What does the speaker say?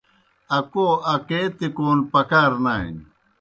اکَو اکے تِکون پکار نانیْ۔